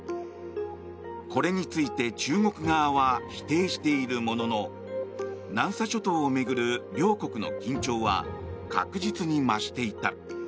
これについて中国側は否定しているものの南沙諸島を巡る両国の緊張は確実に増していた。